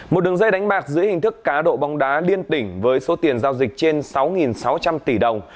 một đường dây đánh bạc dưới hình thức cá độ bóng đá liên tỉnh với số tiền giao dịch trên sáu sáu trăm linh tỷ đồng